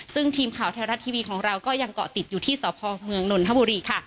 ซึ่งทีมข่าวไทยรัฐทีวีของเราก็ยังเกาะติดอยู่ที่สพเมืองนนทบุรีค่ะ